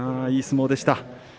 いい相撲でした。